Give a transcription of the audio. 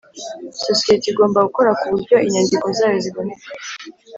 sosiyete igomba gukora ku buryo inyandiko zayo ziboneka